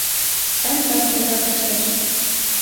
Санькат тыгак ыштыш.